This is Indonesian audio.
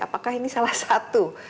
apakah ini salah satu